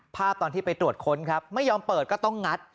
ภาพตอนที่ไปตรวจค้นครับไม่ยอมเปิดก็ต้องงัด